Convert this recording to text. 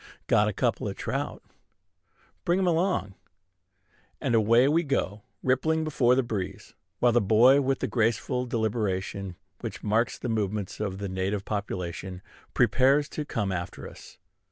"Got a couple o' trout." "Bring 'em along." And away we go, rippling before the breeze; while the boy, with the graceful deliberation which marks the movements of the native population, prepares to come after us.